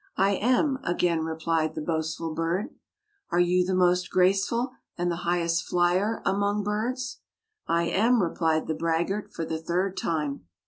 "I am," again replied the boastful bird. "Are you the most graceful and the highest flyer among birds?" "I am," replied the braggart for the third time.